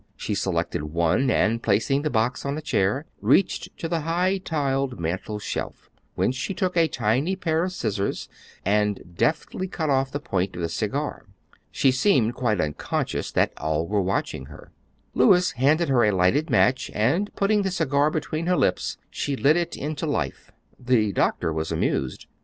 She selected one, and placing the box on a chair, reached to the high tiled mantel shelf, whence she took a tiny pair of scissors and deftly cut off the point of the cigar. She seemed quite unconscious that all were watching her. Louis handed her a lighted match, and putting the cigar between her lips, she lit it into life. The doctor was amused.